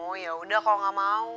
oh yaudah kalau gak mau